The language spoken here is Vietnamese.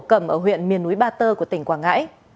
cầm ở huyện miền núi ba tơ của tỉnh quảng ngãi